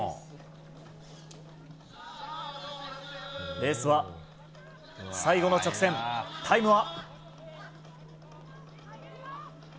レースは最後の直線、タイムは。